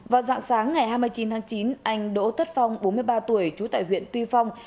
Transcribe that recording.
vào dạng sáng ngày hai mươi chín tháng chín anh đỗ tất phong bốn mươi ba tuổi trú tại huyện tuy phong